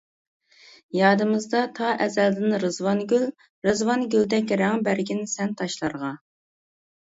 يادىمىزدا تا ئەزەلدىن رىزۋانگۈل، رىزۋانگۈلدەك رەڭ بەرگىن سەن تاشلارغا.